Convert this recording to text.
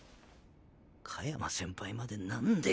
香山先輩まで何で。